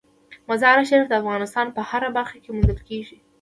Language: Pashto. مزارشریف د افغانستان په هره برخه کې موندل کېږي.